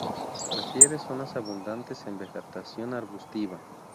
Prefiere zonas abundantes en vegetación arbustiva.